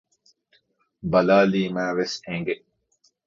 ބަލާލީމައިވެސް އެނގެ